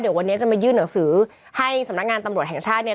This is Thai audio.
เดี๋ยววันนี้จะมายื่นหนังสือให้สำนักงานตำรวจแห่งชาติเนี่ย